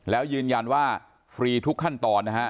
แล้วยืนยันว่าฟรีทุกขั้นตอนนะฮะ